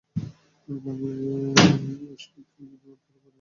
বাংলায় স্কেপট্রামের নামকরণ করা হলো বর্ণালী।